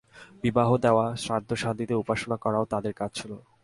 বিবাহ দেওয়া, শ্রাদ্ধ-শান্তিতে উপাসনা করাও তাঁদের কাজ ছিল।